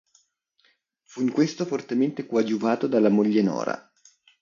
Fu in questo fortemente coadiuvato dalla moglie Nora.